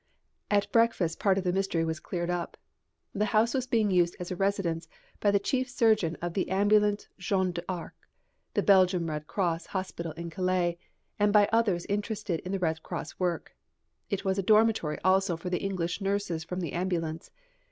At breakfast part of the mystery was cleared up. The house was being used as a residence by the chief surgeon of the Ambulance Jeanne d'Arc, the Belgian Red Cross hospital in Calais, and by others interested in the Red Cross work. It was a dormitory also for the English nurses from the ambulance.